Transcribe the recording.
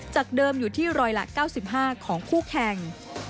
จากเดิมอยู่ที่ร้อยละ๙๕ของคู่แข่ง